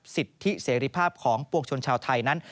สิทธิเสรีภาพของปวงชนชาวไทยนั้น